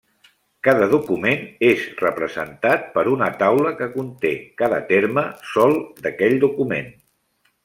Cada document és representat per una taula que conté cada terme sol d'aquell document.